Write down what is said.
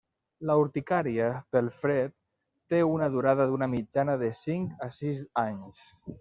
La urticària pel fred té una durada d'una mitjana de cinc a sis anys.